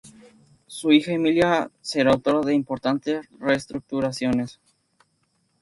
Su hija Emilia será autora de importantes reestructuraciones.